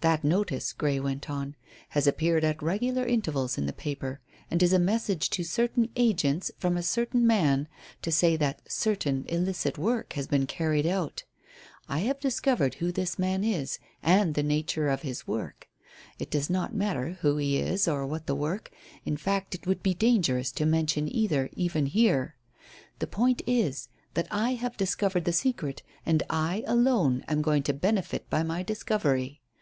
"That notice," Grey went on, "has appeared at regular intervals in the paper, and is a message to certain agents from a certain man, to say that certain illicit work has been carried out. I have discovered who this man is and the nature of his work. It does not matter who he is or what the work; in fact, it would be dangerous to mention either, even here; the point is that I have discovered the secret, and I, alone, am going to benefit by my discovery.